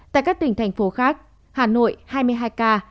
tại các tỉnh thành phố khác hà nội hai mươi hai ca